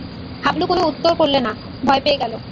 হাবলু কোনো উত্তর করলে না, ভয় পেয়ে গেল।